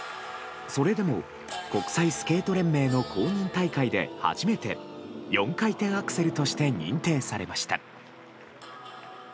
それでも、国際スケート連盟の公認大会で初めて４回転アクセルとして認定されました。